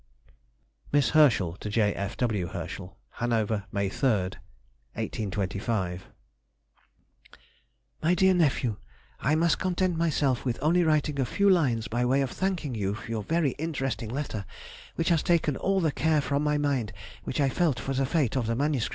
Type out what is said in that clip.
MISS HERSCHEL TO J. F. W. HERSCHEL. HANOVER, May 3, 1825. MY DEAR NEPHEW,— I must content myself with only writing a few lines by way of thanking you for your very interesting letter, which has taken all the care from my mind which I felt for the fate of the MS.